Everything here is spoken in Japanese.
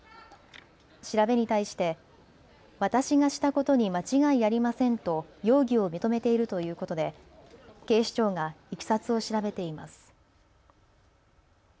調べに対して私がしたことに間違いありませんと容疑を認めているということで警視庁がいきさつを調べています。